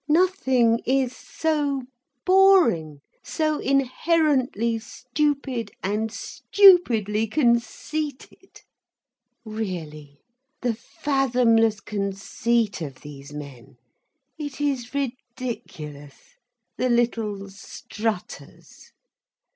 Nothing is so boring, so inherently stupid and stupidly conceited. Really, the fathomless conceit of these men, it is ridiculous—the little strutters.